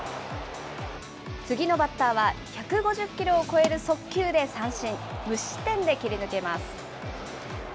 次のバッターは、１５０キロを超える速球で三振、無失点で切り抜けます。